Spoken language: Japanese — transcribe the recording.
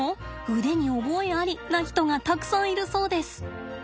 「腕に覚えあり」な人がたくさんいるそうです。